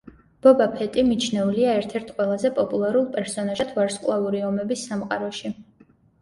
ბობა ფეტი მიჩნეულია ერთ-ერთ ყველაზე პოპულარულ პერსონაჟად „ვარსკვლავური ომების“ სამყაროში.